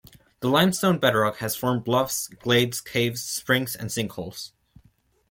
The limestone bedrock has formed bluffs, glades, caves, springs, and sinkholes.